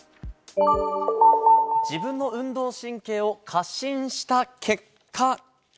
自分の運動神経を過信した結果。